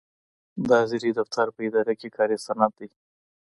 د حاضرۍ دفتر په اداره کې کاري سند دی.